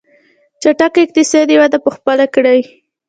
چټکه اقتصادي وده خپله کړي.